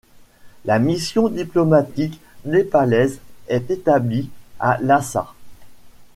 La mission diplomatique népalaise est établie à Lhassa.